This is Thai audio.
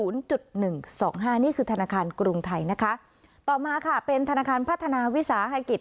นี่คือธนาคารกรุงไทยนะคะต่อมาค่ะเป็นธนาคารพัฒนาวิสาหกิจ